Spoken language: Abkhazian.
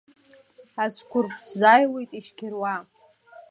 Ацәқәырԥ сзааиуеит ишьқьыруа…